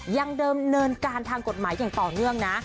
ยังเดิมเนินการทางกฎหมายอย่างต่อเนื่องนะ